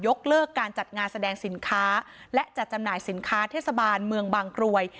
เลิกการจัดงานแสดงสินค้าและจัดจำหน่ายสินค้าเทศบาลเมืองบางกรวย